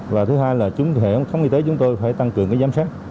và thứ hai là chúng thể không y tế chúng tôi phải tăng cường giám sát